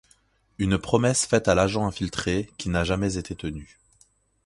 Une promesse faite à l'agent infiltré qui n'a jamais été tenue.